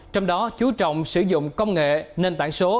trong đó chú trọng sử dụng công nghệ nền tảng số